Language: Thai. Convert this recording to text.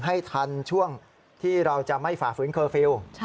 ให้ทันช่วงที่เราจะไม่ฝ่าฝืนเคอร์ฟิลล์